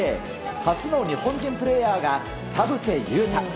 初の日本人プレーヤーが田臥勇太。